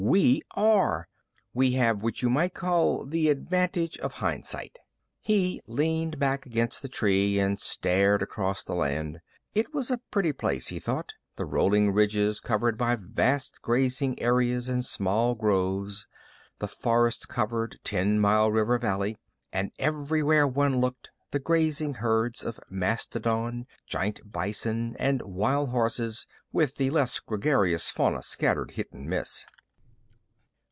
"We are. We have what you might call the advantage of hindsight." He leaned back against the tree and stared across the land. It was a pretty place, he thought the rolling ridges covered by vast grazing areas and small groves, the forest covered, ten mile river valley. And everywhere one looked, the grazing herds of mastodon, giant bison and wild horses, with the less gregarious fauna scattered hit and miss.